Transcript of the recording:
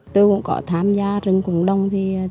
tôi cũng có tham gia rừng cùng đông